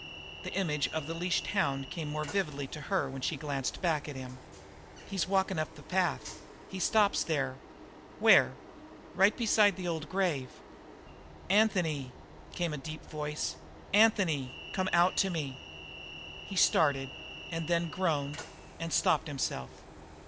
The image of the leashed hound came more vividly to her when she glanced back at him. "He's walkin' right up the path. There he stops." "Where?" "Right beside the old grave." "Anthony!" called a deep voice. "Anthony, come out to me!" He started, and then groaned and stopped himself.